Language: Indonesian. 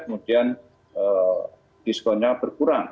kemudian diskonnya berkurang